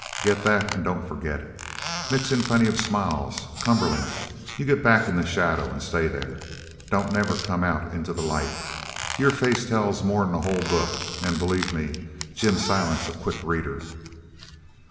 Get that an' don't forget it. Mix in plenty of smiles. Cumberland, you get back into the shadow an' stay there. Don't never come out into the light. Your face tells more'n a whole book, an' believe me, Jim Silent is a quick reader."